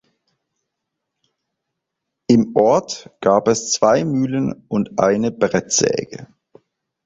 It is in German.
Im Ort gab es zwei Mühlen und eine Brettsäge.